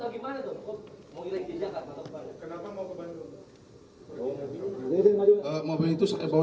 siapa yang menjambak irina pada saat itu